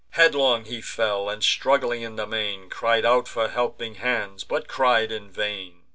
Headlong he fell, and, struggling in the main, Cried out for helping hands, but cried in vain.